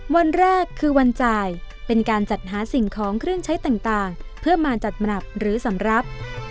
วันแรกคือวันจ่ายเป็นการจัดหาสิ่งของเครื่องใช้ต่างเพื่อมาจัดหมับหรือสำหรับ